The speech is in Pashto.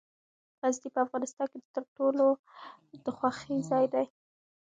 غزني په افغانستان کې د ټولو خلکو د خوښې ځای دی.